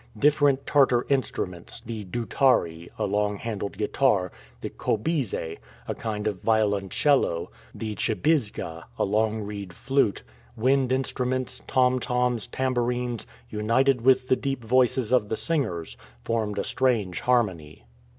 Different Tartar instruments, the "doutare," a long handled guitar, the "kobize," a kind of violoncello, the "tschibyzga," a long reed flute; wind instruments, tom toms, tambourines, united with the deep voices of the singers, formed a strange harmony.